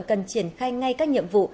cần triển khai ngay các nhiệm vụ